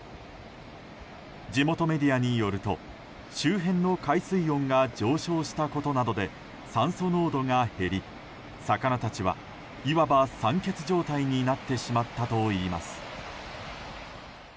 地元メディアによると周辺の海水温が上昇したことなどで酸素濃度が減り魚たちはいわば酸欠状態になってしまったといいます。